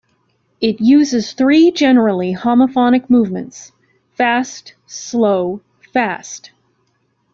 It uses three generally homophonic movements: fast-slow-fast.